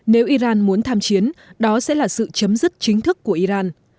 nếu iran muốn tham chiến đó sẽ là sự chấm dứt chính thức của iran